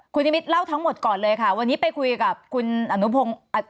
คุณนิมิตรเล่าทั้งหมดก่อนเลยค่ะวันนี้ไปคุยกับคุณอนุพงศ์